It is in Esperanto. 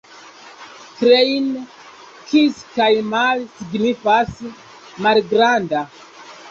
Klein, kis kaj mali signifas: malgranda.